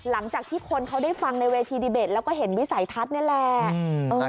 หลังจากที่คนเขาได้ฟังในเวทีดีเบตแล้วก็เห็นวิสัยทัศน์นี่แหละ